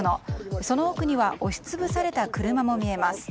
その奥には押し潰された車も見えます。